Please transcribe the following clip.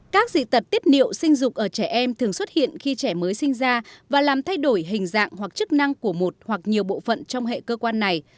các dị tật tiết niệu sinh dục ở trẻ em thường xuất hiện khi trẻ mới sinh ra và làm thay đổi hình dạng hoặc chức năng của một hoặc nhiều bộ phận trong hệ cơ quan này